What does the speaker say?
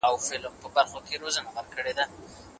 د وینې معاینه اړینه ده.